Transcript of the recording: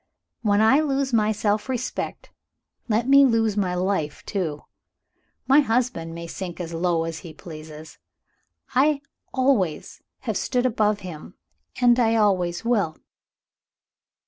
When I lose my self respect let me lose my life too. My husband may sink as low as he pleases. I always have stood above him, and I always will!